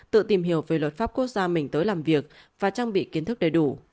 tự tìm hiểu về luật pháp quốc gia mình tới làm việc và trang bị kiến thức đầy đủ